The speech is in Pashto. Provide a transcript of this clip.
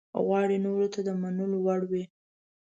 غواړي نورو ته د منلو وړ وي.